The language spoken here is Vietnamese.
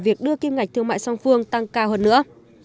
và khẳng định là kim ngạch thương mại song phương tăng cao hơn nữa